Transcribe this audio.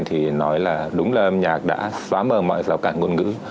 thì nói là đúng là âm nhạc đã xóa mờ mọi rào cản ngôn ngữ